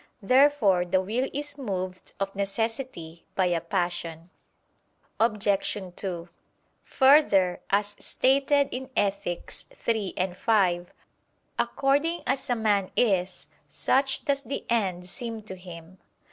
Therefore the will is moved of necessity by a passion. Obj. 2: Further, as stated in Ethic. iii, 5, "according as a man is, such does the end seem to him."